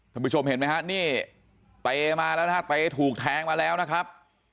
ผู้ชมเห็นไหมฮะนี่เตมาแล้วนะฮะเต้ถูกแทงมาแล้วนะครับ